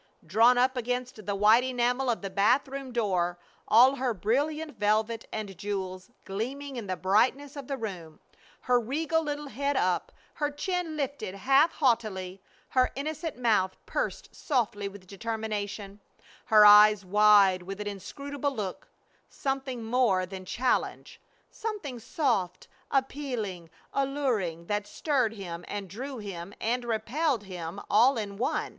Drawn up against the white enamel of the bathroom door, all her brilliant velvet and jewels gleaming in the brightness of the room, her regal little head up, her chin lifted half haughtily, her innocent mouth pursed softly with determination, her eyes wide with an inscrutable look something more than challenge something soft, appealing, alluring, that stirred him and drew him and repelled him all in one.